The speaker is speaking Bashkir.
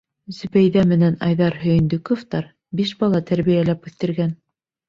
Зөбәйҙә менән Айҙар Һөйөндөковтар биш бала тәрбиләп үҫтергән.